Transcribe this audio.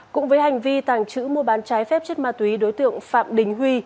cũng với hành vi tàng trữ mua bán trái phép chất ma túy đối tượng phạm đình huy